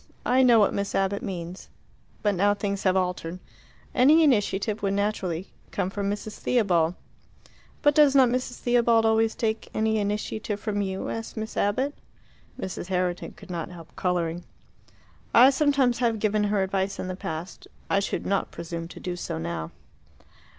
I know what Miss Abbott means. But now things have altered. Any initiative would naturally come from Mrs. Theobald." "But does not Mrs. Theobald always take any initiative from you?" asked Miss Abbott. Mrs. Herriton could not help colouring. "I sometimes have given her advice in the past. I should not presume to do so now."